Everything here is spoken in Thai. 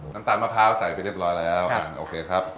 น้ำตาลมะพร้าวใส่ไปเรียบร้อยแล้วโอเคครับ